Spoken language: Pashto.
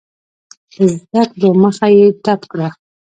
د زده کړو مخه یې ډپ کړه.